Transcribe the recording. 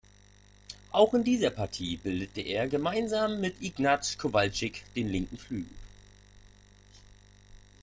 Auch in dieser Partie bildete er gemeinsam mit Ignace Kowalczyk den linken Flügel.